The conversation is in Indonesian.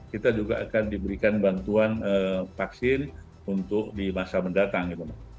kita juga akan diberikan bantuan vaksin untuk di masa mendatang gitu